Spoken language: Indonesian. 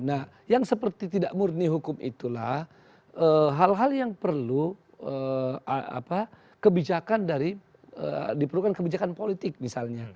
nah yang seperti tidak murni hukum itulah hal hal yang perlu kebijakan dari diperlukan kebijakan politik misalnya